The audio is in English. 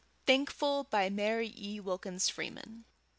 THANKFUL BY MARY E. WILKINS FREEMAN.